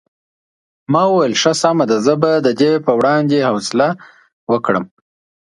ما وویل ښه سمه ده زه به د دې په وړاندې حوصله وکړم.